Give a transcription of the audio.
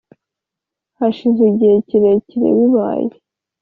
Hashize igihe kirekire bibaye